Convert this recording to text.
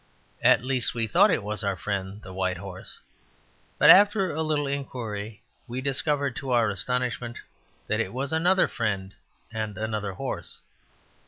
At least, we thought it was our friend the White Horse; but after a little inquiry we discovered to our astonishment that it was another friend and another horse.